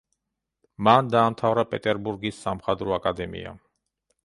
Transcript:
მან დაამთავრა პეტერბურგის სამხატვრო აკადემია.